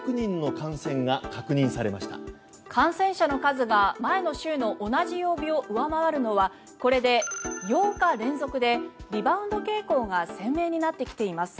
感染者の数が前の週の同じ曜日を上回るのはこれで８日連続でリバウンド傾向が鮮明になってきています。